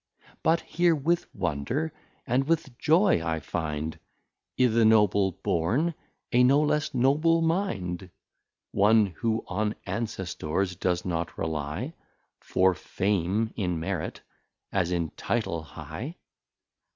But here with Wonder and with Joy I find, I'th' Noble Born, a no less Noble Mind; One, who on Ancestors, does not rely For Fame, in Merit, as in Title, high!